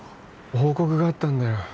報告があったんだよ